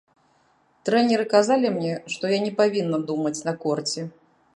Трэнеры казалі мне, што я не павінна думаць на корце.